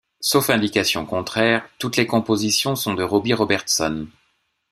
Sauf indication contraire, toutes les compositions sont de Robbie Robertson.